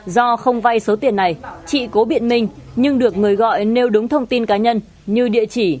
do không vay số tiền này chị cố biện minh nhưng được người gọi nêu đúng thông tin cá nhân như địa chỉ